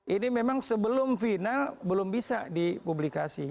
ini memang sebelum final belum bisa dipublikasi